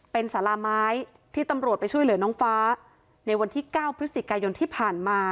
เป็นสาราไม้ที่ตำรวจไปช่วยเหลือน้องฟ้าในวันที่๙พฤศจิกายนที่ผ่านมา